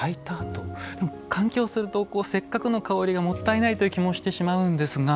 換気をするとせっかくの香りがもったいない気がしてしまいますが。